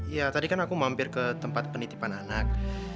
ya tadi kan aku mampir ke tempat penitipan anak